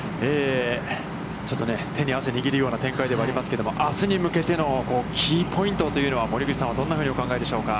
ちょっとね、手に汗握るような展開ではありますけれども、あすに向けてのキーポイントというのは、森口さんは、どんなふうにお考えでしょうか。